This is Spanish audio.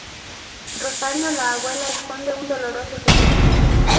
Rosario, la abuela, esconde un doloroso secreto.